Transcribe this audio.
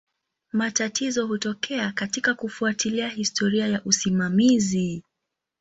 Matatizo hutokea katika kufuatilia historia ya usimamizi.